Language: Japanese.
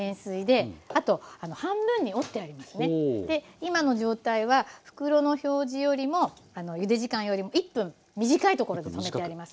今の状態は袋の表示よりもゆで時間よりも１分短いところで止めてあります。